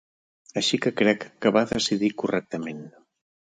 Així que crec que va decidir correctament.